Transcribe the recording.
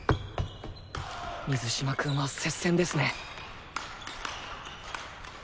水嶋君は接戦ですね！